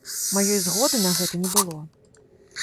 Маёй згоды на гэта не было.